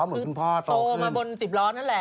เหมือนคุณพ่อโตขึ้นคือโตมาบน๑๐ล้อนนั่นแหละ